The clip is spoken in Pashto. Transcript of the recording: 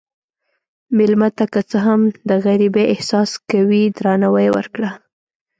مېلمه ته که څه هم د غریبۍ احساس کوي، درناوی ورکړه.